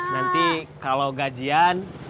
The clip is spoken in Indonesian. nanti kalau gajian